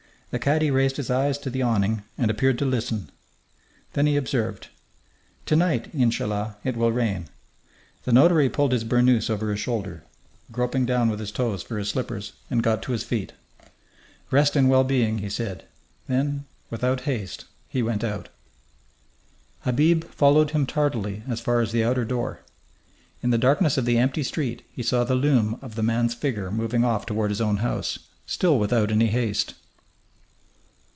The cadi raised his eyes to the awning and appeared to listen. Then he observed, "To night, in cha 'llah, it will rain." The notary pulled his burnoose over his shoulders, groped down with his toes for his slippers, and got to his feet. "Rest in well being!" he said. Then, without haste, he went out. Habib followed him tardily as far as the outer door. In the darkness of the empty street he saw the loom of the man's figure moving off toward his own house, still without any haste.